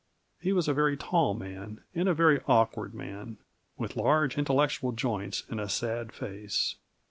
He was a very tall man and a very awkward man, with large, intellectual joints and a sad face.